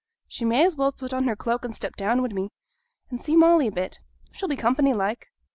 She may as well put on her cloak and step down wi' me, and see Molly a bit; she'll be company like.'